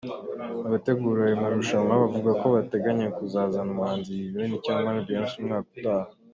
Abategura aya marushanwa, bavuga ko bateganya kuzazana umuhanzi Lil Wayne cyangwa Beyonce umwaka utaha.